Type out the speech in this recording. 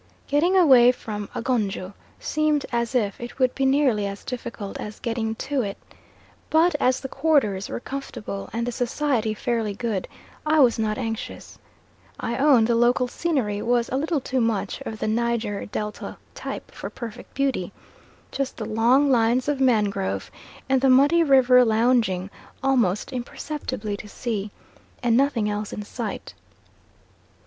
Getting away from Agonjo seemed as if it would be nearly as difficult as getting to it, but as the quarters were comfortable and the society fairly good, I was not anxious. I own the local scenery was a little too much of the Niger Delta type for perfect beauty, just the long lines of mangrove, and the muddy river lounging almost imperceptibly to sea, and nothing else in sight.